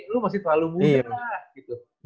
lu masih terlalu muda lah gitu